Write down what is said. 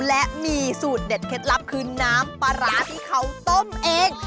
และมีสูตรเด็ดเคล็ดลับคือน้ำปลาร้าที่เขาต้มเอง